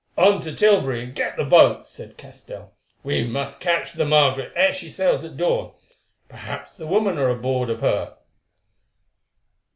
"On to Tilbury, and get boats," said Castell. "We must catch the Margaret ere she sails at dawn. Perhaps the women are aboard of her."